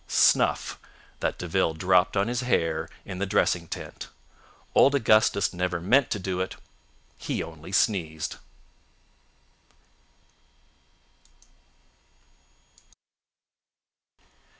"Snuff—that De Ville dropped on his hair in the dressing tent. Old Augustus never meant to do it. He only sneezed."